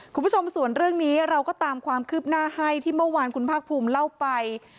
คุณผู้ชมส่วนเรื่องนี้เราก็ตามความคืบหน้าให้ที่เมื่อวานคุณภาคภูมิเล่าไป